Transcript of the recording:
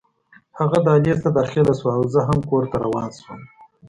هغه دهلېز ته داخله شوه او زه هم کور ته راستون شوم.